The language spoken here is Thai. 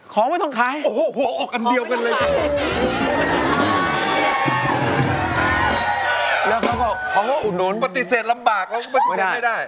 กำลังตื่นกาลใจ